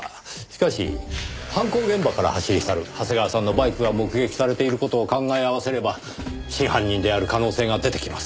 しかし犯行現場から走り去る長谷川さんのバイクが目撃されている事を考え合わせれば真犯人である可能性が出てきます。